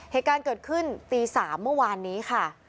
เหตุการณ์เกิดขึ้นตี๓เมื่อวานนี้ค่ะ